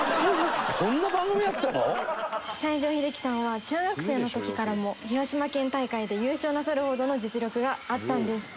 「西城秀樹さんは中学生の時からも広島県大会で優勝なさるほどの実力があったんです」